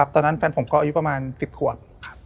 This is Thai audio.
ตอนนั้นแฟนผมก็อายุประมาณ๑๐ขวบ